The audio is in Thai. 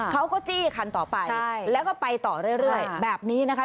เขาก็จี้คันต่อไปแล้วก็ไปต่อเรื่อยแบบนี้นะคะ